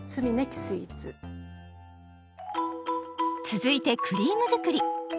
続いてクリーム作り。